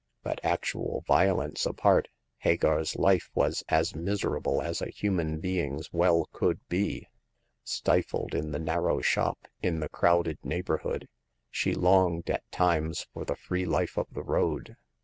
But, actual violence apart, Hagar's life was as miserable as a human being's well could be. Stifled in the narrow shop in the crowded neighborhood, she longed at times for the free life of the road.